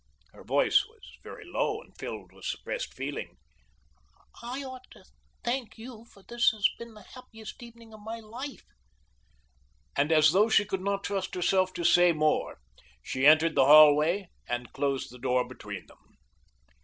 Her voice was very low and filled with suppressed feeling. "I ought to thank you, for this has been the happiest evening of my life," and as though she could not trust herself to say more, she entered the hallway and closed the door between them.